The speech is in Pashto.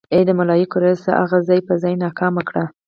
ای د ملايکو ريسه اغه ځای په ځای ناکامه کړې.